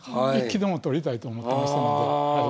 １期でも取りたいと思ってましたので。